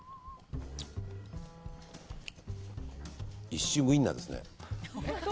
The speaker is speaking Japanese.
一瞬、ウインナーですね。